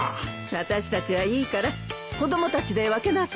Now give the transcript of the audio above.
私たちはいいから子供たちで分けなさい。